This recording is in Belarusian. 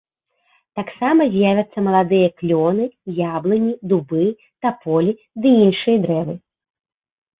Таксама з'явяцца маладыя клёны, яблыні, дубы, таполі ды іншыя дрэвы.